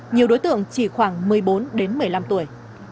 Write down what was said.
nhiều đối tượng chỉ khoảng một mươi bốn đến một mươi năm tuổi